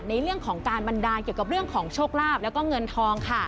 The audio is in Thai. ในเรื่องของการบันดาลเกี่ยวกับเรื่องของโชคลาภแล้วก็เงินทองค่ะ